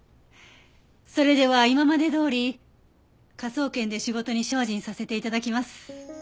それでは今までどおり科捜研で仕事に精進させて頂きます。